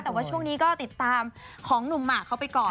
แต่ว่าช่วงนี้ก็ติดตามของหนุ่มหมากเขาไปก่อน